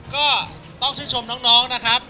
ก็ต้องชื่นชมน้องนะครับ